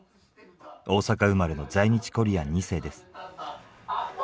大阪生まれの在日コリアン２世です。